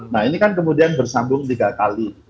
nah ini kan kemudian bersambung tiga kali